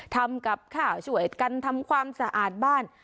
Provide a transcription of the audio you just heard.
ทำกับข้าวช่วยกันทำความสะอาดบ้าน